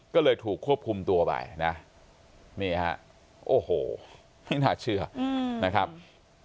ก็เลยถูกควบคุมตัวไปนะนี่ฮะโอ้โหไม่น่าเชื่อนะครับ